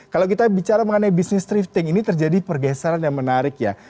kalau kita bicara mengenai bisnis thrifting ini terjadi pergeseran yang menarik ya